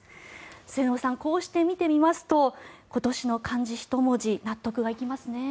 末延さん、こうして見てみますと今年の漢字１文字納得がいきますね。